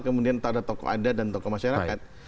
kemudian ada tokoh adat dan tokoh masyarakat